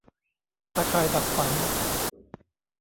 ตาข่ายดักฝัน